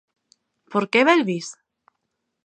Por que Belvís?